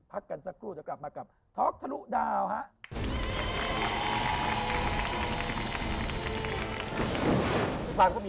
พักกันสักครู่เดี๋ยวกลับมากับ